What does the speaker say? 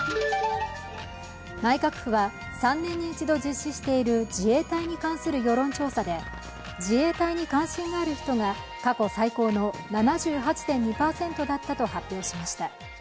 内閣府は３年に一度実施している自衛隊に関する世論調査で、自衛隊に関心がある人が過去最高の７８．２％だったと発表しました。